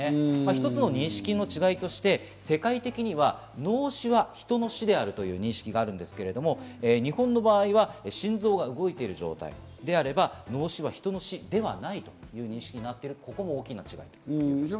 一つの認識の違いとして世界的には脳死は人の死であるという認識があるんですけれども、日本の場合は心臓が動いている状態であれば脳死は人の死ではないという認識が大きな違いです。